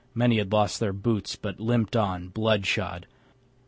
Many had lost their boots, But limped on, blood shod.